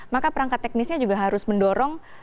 maka perangkat teknisnya juga harus mendorong